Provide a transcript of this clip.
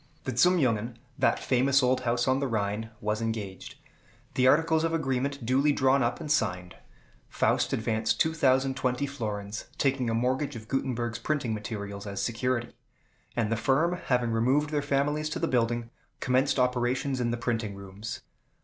The Zum Jungen, that famous old house on the Rhine, was engaged; the articles of agreement duly drawn up and signed. Faust advanced 2,020 florins, taking a mortgage of Gutenberg's printing materials as security; and the firm, having removed their families to the building, commenced operations in the printing rooms.